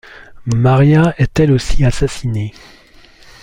Maria est elle aussi assassinée.